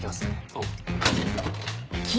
おう。